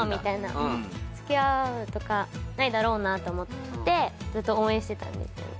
付き合うとかないだろうなと思ってずっと応援してたんですよね